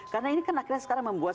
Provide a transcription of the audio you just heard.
karena ini kan akhirnya sekarang membuat